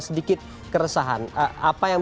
sedikit keresahan apa yang